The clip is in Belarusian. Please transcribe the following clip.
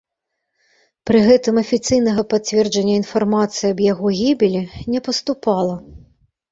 Пры гэтым афіцыйнага пацверджання інфармацыі аб яго гібелі не паступала.